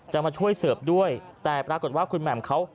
มาช่วยเสิร์ฟด้วยแต่ปรากฏว่าคุณแหม่มเขา